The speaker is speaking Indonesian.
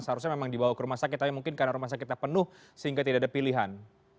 seharusnya memang dibawa ke rumah sakit tapi mungkin karena rumah sakitnya penuh sehingga tidak ada pilihan